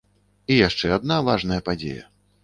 І яшчэ адна важная падзея.